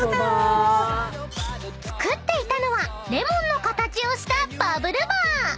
［作っていたのはレモンの形をしたバブルバー］